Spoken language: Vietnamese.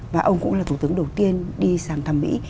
và ông cũng là thủ tướng đầu tiên đi sang thăm mỹ